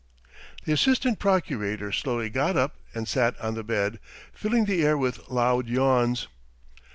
The assistant procurator slowly got up and sat on the bed, filling the air with loud yawns.